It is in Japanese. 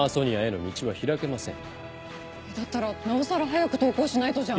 だったらなおさら早く投稿しないとじゃん。